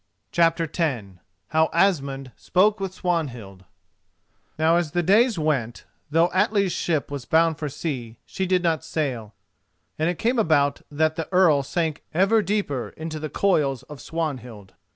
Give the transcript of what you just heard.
CHAPTER X HOW ASMUND SPOKE WITH SWANHILD Now as the days went, though Atli's ship was bound for sea, she did not sail, and it came about that the Earl sank ever deeper in the toils of Swanhild.